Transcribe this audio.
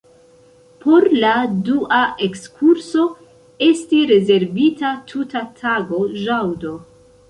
Por la dua ekskurso esti rezervita tuta tago, ĵaŭdo.